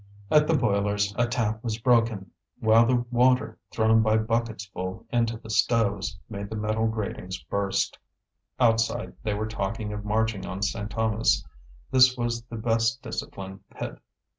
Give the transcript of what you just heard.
At the boilers a tap was broken; while the water, thrown by bucketsful into the stoves, made the metal gratings burst. Outside they were talking of marching on Saint Thomas. This was the best disciplined pit.